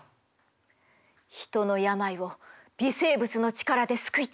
人の病を微生物の力で救いたい。